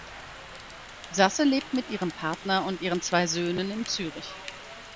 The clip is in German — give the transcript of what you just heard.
Sasse lebt mit ihrem Partner und ihren zwei Söhnen in Zürich.